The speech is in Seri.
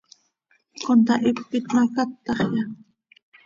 ¿Contahipit ma, cátaxya?